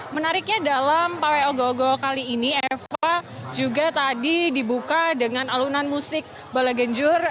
menariknya dalam pawai ogo ogo kali ini eva juga tadi dibuka dengan alunan musik bala genjur